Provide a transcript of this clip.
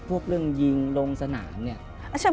พวกเรื่องยิงโรงสนานเนี่ย